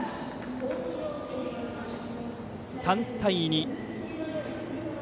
３対２。